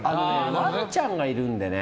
ワンちゃんがいるんでね。